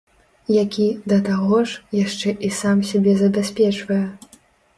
Які, да таго ж, яшчэ і сам сябе забяспечвае!